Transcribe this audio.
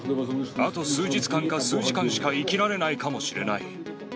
あと数日間か数時間しか生きられないかもしれない。